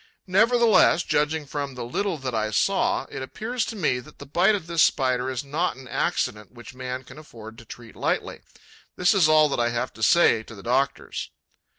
Nevertheless, judging from the little that I saw, it appears to me that the bite of this Spider is not an accident which man can afford to treat lightly. This is all that I have to say to the doctors.